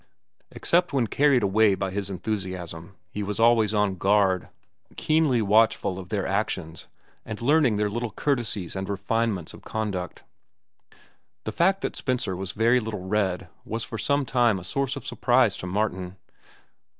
Except when carried away by his enthusiasm, he was always on guard, keenly watchful of their actions and learning their little courtesies and refinements of conduct. The fact that Spencer was very little read was for some time a source of surprise to Martin.